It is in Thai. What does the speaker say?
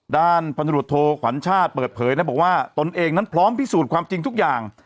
ด้านพันธุรกิจโทขวัญชาติเปิดเผยนะบอกว่าตนเองนั้นพร้อมพิสูจน์ความจริงทุกอย่าง